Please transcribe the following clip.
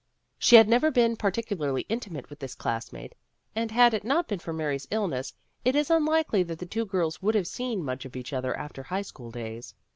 She had never been par ticularly intimate with this class mate, and had it not been for Mary's illness it is unlikely that the two girls would have seen much of each other after high school days.